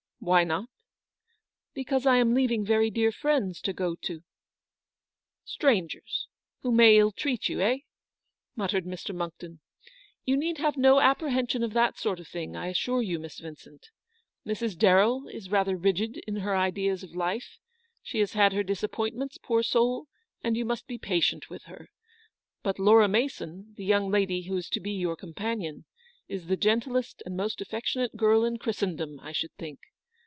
"« Why not?" " Because I am leaving very dear friends to go to—" " Strangers, who may illtreat you, eh ?" mut tered Mr. Monckton. " You need have no apprehension of that sort of thing, I assure you, Miss Yincent. Mrs. Darrell is rather rigid in her ideas of life; she has had her disappointments, poor soul, and you must be patient with her : but Laura Mason, the young lady who is to be your companion, is the gentlest and most affectionate 246 ELEANOR'S VICTORY. girl in Christendom, I should think.